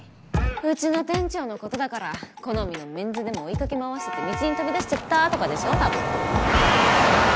うちの店長の事だから好みのメンズでも追いかけ回してて道に飛び出しちゃったとかでしょ多分。